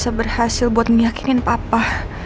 aku tak berhasil buat meyakinkan papa